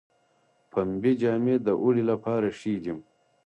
پنبې جامې د اوړي لپاره ښې دي